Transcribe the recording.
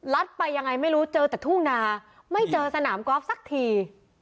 ไปยังไงไม่รู้เจอแต่ทุ่งนาไม่เจอสนามกอล์ฟสักที